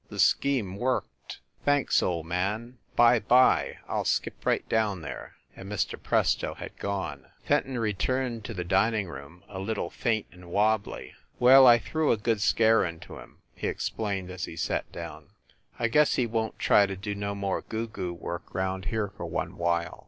The scheme worked. "Thanks, old man, bye bye, I ll skip right down there!" and Mr. Presto had gone. Fenton returned to the dining room a little faint and wobbly. "Well, I threw a good scare into him," he explained, as he sat down. "I guess he won t try to do no more goo goo work round here for one while.